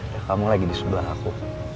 dan kamu lagi di sebelah aku